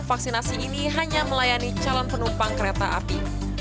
vaksinasi ini hanya melayani calon penumpang kereta api